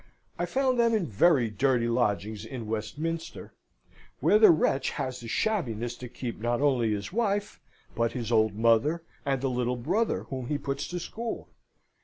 I found them in very dirty lodgings in Westminster, where the wretch has the shabbiness to keep not only his wife, but his old mother, and a little brother, whom he puts to school.